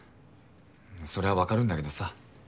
それはわかるんだけどさ。